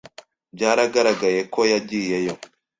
Byaragaragaye ko yagiyeyo.